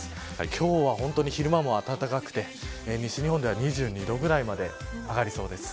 今日は本当に昼間も暖かくて西日本では２２度ぐらいまで上がりそうです。